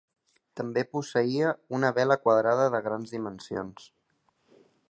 També posseïa una vela quadrada de grans dimensions.